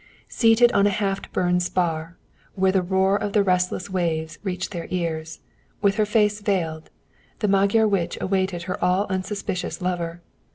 Seated on a half burned spar, there where the roar of the restless waves reached their ears, with her face veiled, the Magyar witch awaited her all unsuspicious lover.